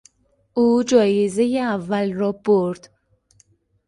او جایزهی اول را برد.